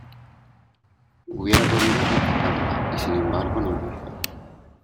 hubiera podido rescatarla, y , sin embargo , no lo hice.